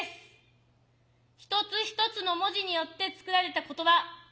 一つ一つの文字によって作られた言葉